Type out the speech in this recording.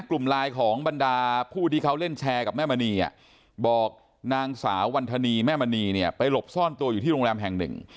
กลุ่มไลน์ของบรรดาผู้ที่เขาเล่นแชร์กับแม่มณีบอกนางสาววันธนีแม่มณีเนี่ยไปหลบซ่อนตัวอยู่ที่โรงแรมแห่งหนึ่ง